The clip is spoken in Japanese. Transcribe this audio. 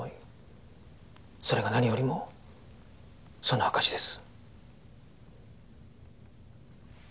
それが何よりもその証しです。